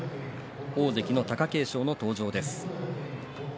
大関の貴景勝の登場です。